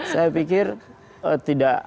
saya pikir tidak